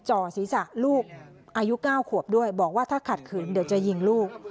จ่อศีรษะลูกอายุ๙ขวบด้วยบอกว่าถ้าขัดขืนเดี๋ยวจะยิงลูก